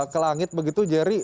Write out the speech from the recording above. ke langit begitu jerry